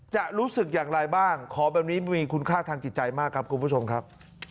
จะรู้สึกอย่างไรบ้างขอแบบนี้มีคุณค่าทางจิตใจมากครับคุณผู้ชมครับ